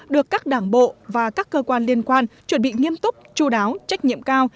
được các đảng bộ và các cơ quan liên quan chuẩn bị nghiêm túc chú đáo trách nhiệm cao